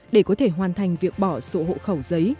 để có thể hoàn thành việc bỏ sổ hộ khẩu giấy